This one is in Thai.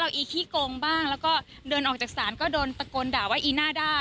อีขี้โกงบ้างแล้วก็เดินออกจากศาลก็โดนตะโกนด่าว่าอีน่าด้า